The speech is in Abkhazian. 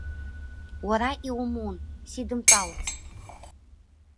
Уара иумун, сидымтәалац!